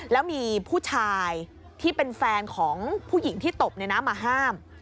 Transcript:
แล้วมีผู้ชายที่เป็นแฟนของผู้หญิงที่ตบมาห้าม